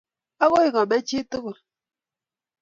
Agoi kome chitugul